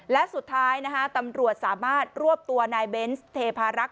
และสุดท้ายนะคะตำรวจสามารถรวบตัวนายเบนส์เทพารักษ